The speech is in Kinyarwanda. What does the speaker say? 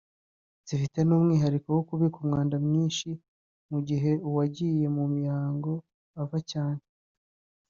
zifite n’umwihariko wo kubika imyanda myinshi mu gihe uwagiye mu mihango ava cyane